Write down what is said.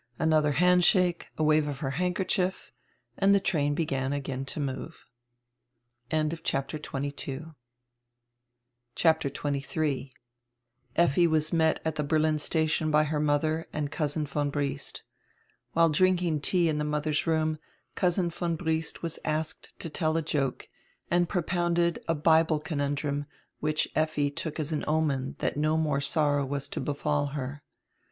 Anodier handshake, a wave of her handkerchief, and die train began again to move. CHAPTER XXIII [EFFI was met at the Berlin station by her mother and Cousin von Briest. While drinking tea in the mother's room Cousin von Briest was asked to tell a joke, and propounded a Bible conundrum, which Effi took as an omen diat no more sorrow was to befall her.